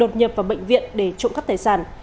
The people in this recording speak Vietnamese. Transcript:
đột nhập vào bệnh viện để trộm cắp tài sản